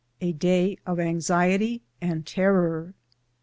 A DAY OF ANXIETY AND TERKOE.